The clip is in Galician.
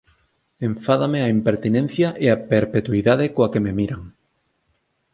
Enfádame a impertinencia e a perpetuidade coa que me miran.